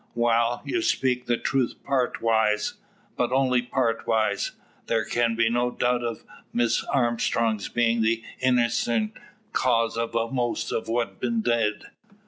"Wal; ye speak the truth partwise but only partwise. Thar' can be no doubt o' Miss Armstrong's being the innercent cause of most o' what's been did.